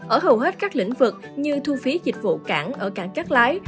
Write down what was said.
ở hầu hết các lĩnh vực như thu phí dịch vụ cảng ở cảng cát lái